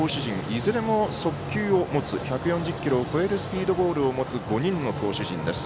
いずれも１４０キロを超えるスピードボールを持つ５人の投手陣です。